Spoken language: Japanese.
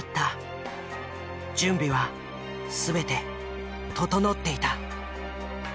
準備は全て整っていた。